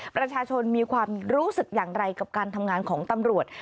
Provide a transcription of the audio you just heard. ประชาชนมีความรู้สึกอย่างไรกับการทำงานของตำรวจ